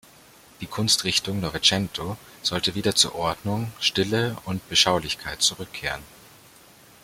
Die Kunstrichtung "Novecento" sollte wieder zur Ordnung, Stille und Beschaulichkeit zurückkehren.